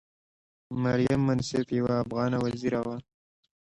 مریم منصف یوه افغانه وزیره وه.